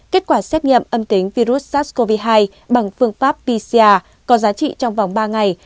kết quả xét nghiệm âm tính virus sars cov hai bằng phương pháp pcr có giá trị trong vòng ba ngày